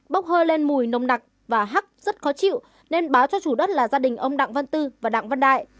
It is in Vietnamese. bốc hơi lên mùi nồng nặc và hắc rất khó chịu nên báo cho chủ đất là gia đình ông đặng văn tư và đặng văn đại